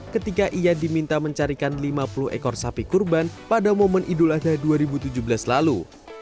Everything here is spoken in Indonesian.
ketika ia diminta mencarikan lima puluh ekor sapi kurban pada momen idul adha dua ribu tujuh belas lalu